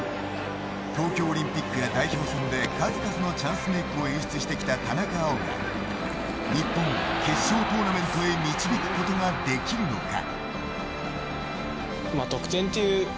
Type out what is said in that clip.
東京オリンピックや代表戦で数々のチャンスメークを演出してきた田中碧が日本を決勝トーナメントに導くことができるのか。